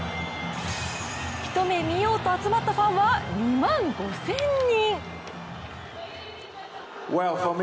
一目見ようと集まったファンは２万５０００人。